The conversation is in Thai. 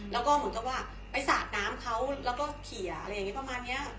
แล้วก็หมุนก็ว่าไปซาดน้ำเขาแล้วก็เขียอะไรยังไงประมาณเนี้ย